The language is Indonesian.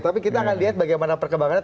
tapi kita akan lihat bagaimana perkembangannya